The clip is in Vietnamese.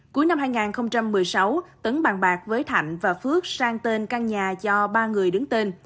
cuối năm hai nghìn một mươi sáu tấn bàn bạc với thạnh và phước sang tên căn nhà cho ba người đứng tên